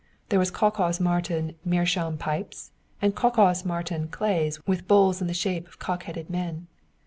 There were Kakas Mártin meerschaum pipes and Kakas Mártin clays, with bowls in the shape of cock headed men.